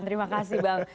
terima kasih bang